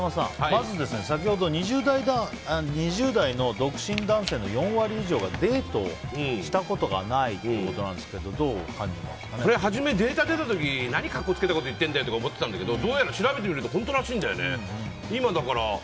まず先ほど２０代の独身男性の４割以上がデートをしたことがないということなんですが最初、データが出たとき何、格好つけたこと言ってるんだよとか思ってたんだけどどうやら調べてみると本当らしいんだよね。